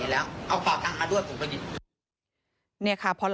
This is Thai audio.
แล้วพี่ก็เอาสร้อยมาด้วย